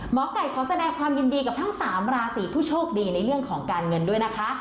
หมอไก่ขอแสดงความยินดีกับทั้ง๓ราศีผู้โชคดีในเรื่องของการเงินด้วยนะคะ